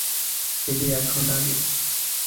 দিদি, এক ঘন্টা আগে।